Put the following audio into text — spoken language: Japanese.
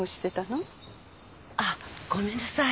あっごめんなさい。